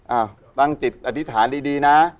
อ่ะนั่งจิตอธิษฐานดีนะ